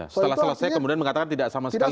setelah selesai kemudian mengatakan tidak sama sekali